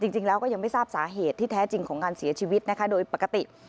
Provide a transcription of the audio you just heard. จริงแล้วก็ยังไม่ทราบสาเหตุที่แท้จริงของการเสียชีวิตนะคะโดยปกติ